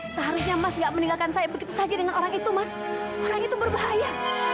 seharusnya mas gak meninggalkan saya begitu saja dengan orang itu mas orang itu berbahaya